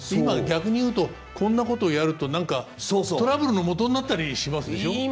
今逆に言うとこんなことをやると何かトラブルのもとになったりしますでしょ。